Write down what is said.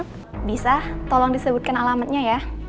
bisa tolong disebutkan alamatnya ya